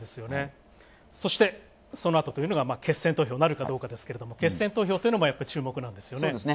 そして、そのあとというのが決選投票になるかどうかですけど決選投票というのも注目なんですよね。